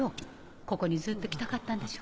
ここにずっと来たかったんでしょ？